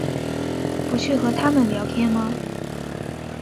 不去和他们聊天吗？